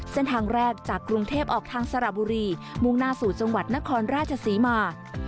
เส้นทางแรกจากกรุงเทพออกทางสระบุรีมุ่งหน้าสู่จังหวัดนครราชศรีมา